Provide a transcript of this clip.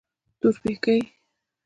تورپيکۍ.